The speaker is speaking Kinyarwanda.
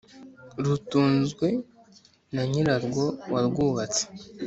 Rutunzwe na nyirarwo warwubatse